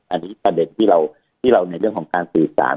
อันนี้ประเด็นที่เราในเรื่องของการสื่อสาร